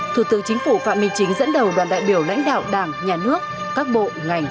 thủ tướng chính phủ phạm minh chính dẫn đầu đoàn đại biểu lãnh đạo đảng nhà nước các bộ ngành